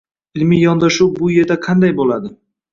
Ilmiy yondashuv bu yerda qanday bo‘ladi?